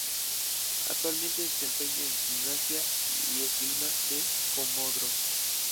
Actualmente se desempeña en Gimnasia y Esgrima de Comodoro Rivadavia.